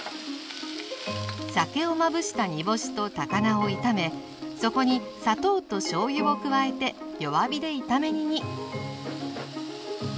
酒をまぶした煮干しと高菜を炒めそこに砂糖としょうゆを加えて弱火で炒め煮に。